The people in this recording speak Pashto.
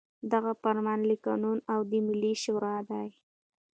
دغه فرمان له قانون او د ملي شـوري د